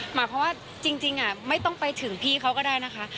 หมายความว่าจริงไม่ต้องไปถึงพี่เขาก็ได้นะคะ